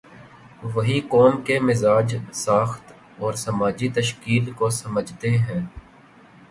وہی قوم کے مزاج، ساخت اور سماجی تشکیل کو سمجھتے ہیں۔